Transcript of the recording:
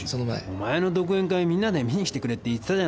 お前の独演会「みんなで見にきてくれ」って言ったじゃないか。